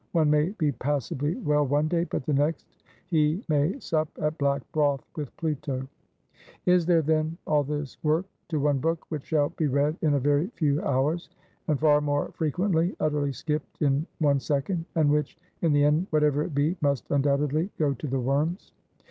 One may be passibly well one day, but the next, he may sup at black broth with Pluto. Is there then all this work to one book, which shall be read in a very few hours; and, far more frequently, utterly skipped in one second; and which, in the end, whatever it be, must undoubtedly go to the worms?